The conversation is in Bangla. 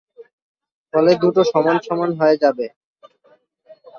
ফলে দুটো সমান সমান হয়ে যায়।